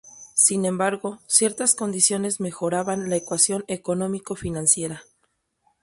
Sin embargo, ciertas condiciones mejoraban la ecuación económico-financiera.